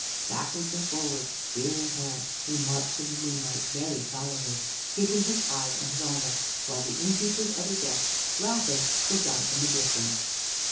Backwards and forwards, spear in hand, he marched in the moonlight, very solemnly keeping his eyes on his armor, while the innkeeper's other guests, laughing, looked on from a distance.